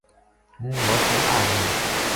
ہوں ہوش ما آ گیو